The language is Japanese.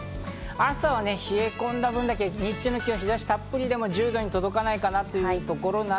朝に冷え込んだ分だけ、日中の気温は日差したっぷりでも１０℃に届かないかなというところ。